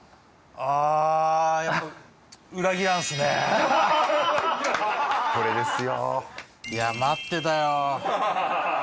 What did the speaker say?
ああやっぱこれですよいや待ってたよ